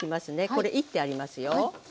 これいってありますよ。